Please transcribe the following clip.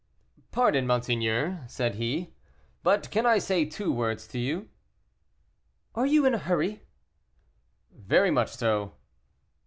"Pardon, monseigneur," said he, "but can I say two words to you?" "Are you in a hurry?" "Very much so."